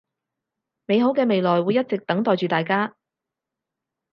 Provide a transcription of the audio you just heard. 美好嘅未來會一直等待住大家